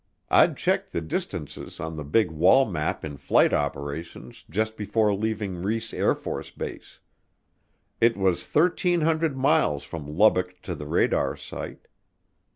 I'd checked the distances on the big wall map in flight operations just before leaving Reese AFB. It was 1,300 miles from Lubbock to the radar site.